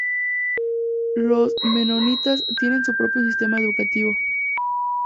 Los menonitas tienen su propio sistema educativo.